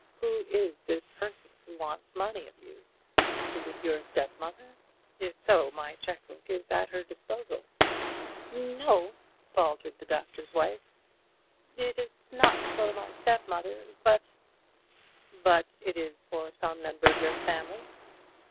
Who is this person who wants money of you? Is it your step mother? if so, my cheque book is at her disposal." "No," faltered the Doctor's Wife, "it is not for my step mother, but " "But it is for some member of your family?"